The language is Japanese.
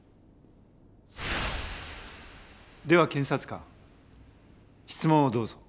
では検察官質問をどうぞ。